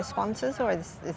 dari hanging gardens